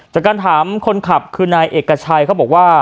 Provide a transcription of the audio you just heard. จากการถามคนขับคือนายเอกชัยเขาบอกว่า